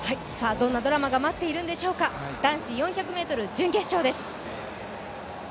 どんなドラマが待っているんでしょうか、男子４００ｍ準決勝です